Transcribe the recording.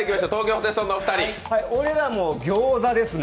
俺らも餃子ですね。